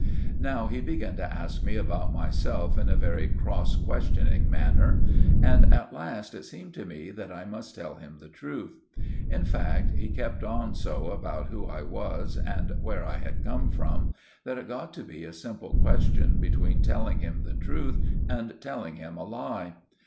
Now he began to ask me about myself in a very cross questioning manner, and at last it seemed to me that I must tell him the truth. In fact, he kept on so about who I was and where I had come from, that it got to be a simple question between telling him the truth and telling him a lie.